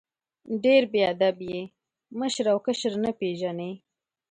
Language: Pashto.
ډېر بې ادب یې ، مشر او کشر نه پېژنې!